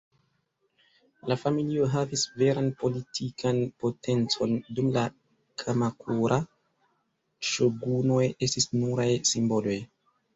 La familio havis veran politikan potencon, dum la Kamakura-ŝogunoj estis nuraj simboloj.